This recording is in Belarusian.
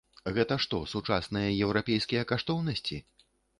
Гэта што, сучасныя еўрапейскія каштоўнасці?